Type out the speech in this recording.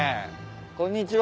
こんにちは。